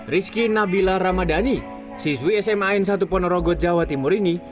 rizky nabila ramadhani siswi sma n satu ponorogo jawa timur ini